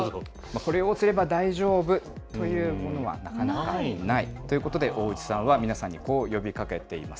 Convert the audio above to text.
これをすれば大丈夫というものはないということで、大内さんは皆さんにこう呼びかけています。